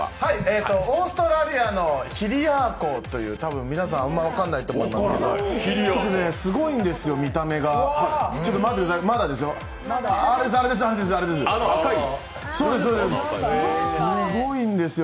オーストラリアのヒリアー湖という皆さん、あまり分からないと思いますけど、見た目がすごいんですよ。